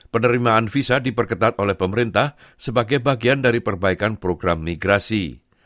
penerimaan visa diperketat oleh pemerintah sebagai bagian dari perbaikan program migrasi